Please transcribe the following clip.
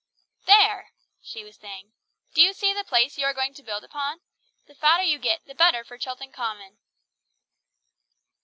"There!" she was saying, "do you see the place you are going to build upon! The fatter you get, the better for Chilton Common!"